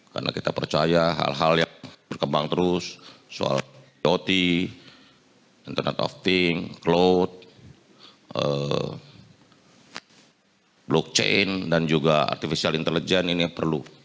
karena kita percaya hal hal yang berkembang terus soal dot internet of thing cloud blockchain dan juga artificial intelligence ini perlu